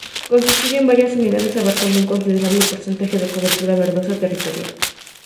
Constituyen varias unidades abarcando un considerable porcentaje de cobertura verdosa territorial.